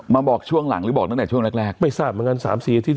ไม่ทราบเหมือนกัน๓๔ที